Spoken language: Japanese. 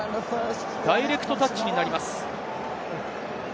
ダイレクトタッチになります。